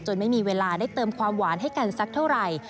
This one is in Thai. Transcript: ไม่มีเวลาได้เติมความหวานให้กันสักเท่าไหร่